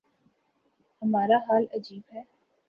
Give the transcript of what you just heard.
ہمارا حال عجیب ہے۔